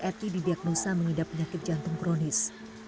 eti didiagnosa mengidap penyakit jantung kronis